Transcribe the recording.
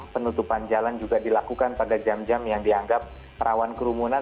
penutupan jalan juga dilakukan pada jam jam yang dianggap rawan kerumunan